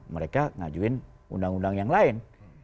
mereka ngajuin undang undang yang lain